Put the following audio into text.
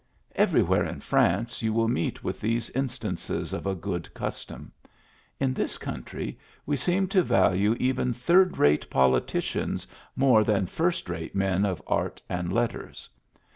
Every where in France you will meet with these instances of a good custom. In this country we seem to value 'even third rate politicians more than first rate men of art and letters.